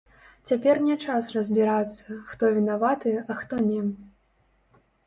Цяпер не час разбірацца, хто вінаваты, а хто не.